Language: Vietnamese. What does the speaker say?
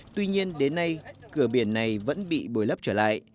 tuy nhiên đến nay cửa biển này vẫn bị bồi lấp trở lại